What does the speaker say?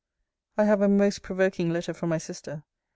I have a most provoking letter from my sister.